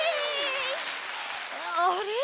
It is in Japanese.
あれ？